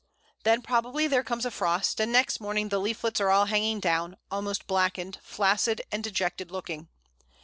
Then probably there comes a frost, and next morning the leaflets are all hanging down, almost blackened, flaccid and dejected looking.